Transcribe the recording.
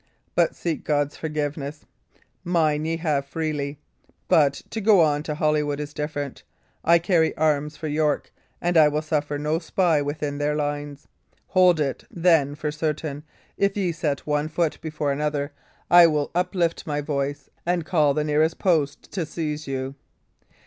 Seek God's forgiveness; mine ye have freely. But to go on to Holywood is different. I carry arms for York, and I will suffer no spy within their lines. Hold it, then, for certain, if ye set one foot before another, I will uplift my voice and call the nearest post to seize you."